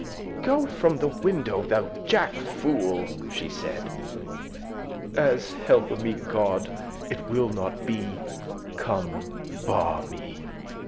"Go from the window, thou jack fool," she said: "As help me God, it will not be, 'come ba* me.